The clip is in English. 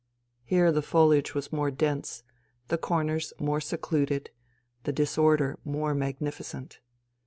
Here the foliage was more dense, the corners more secluded, the disorder more magnificent.